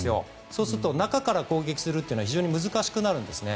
そうすると中から攻撃するのは難しくなるんですね。